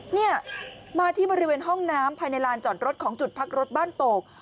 เนี่ยมาที่บริเวณห้องน้ำภายในลานจอดรถของจุดพักรถบ้านโตก